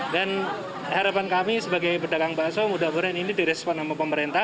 dan harapan kami sebagai pedagang bakso mudah mudahan ini direspon sama pemerintah